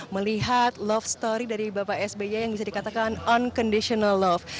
melihat love story dari bapak sby yang bisa dikatakan on conditional love